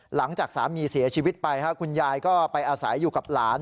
หลังจากสามีเสียชีวิตไปคุณยายก็ไปอาศัยอยู่กับหลาน